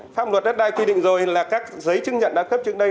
pháp luật đất đai quy định rồi là các giấy chứng nhận đã cấp trước đây